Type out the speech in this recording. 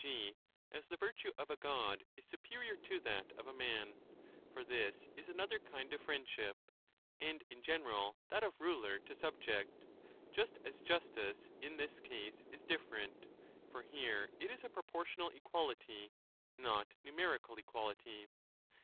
g. as the virtue of a god is superior to that of a man (for this is another kind of friendship) — and in general 20 that of ruler to subject ; just as justice in this case is diffe rent, for here it is a proportional equality, not numerical equality.